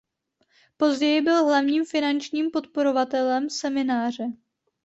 Později byl hlavním finančním podporovatelem semináře.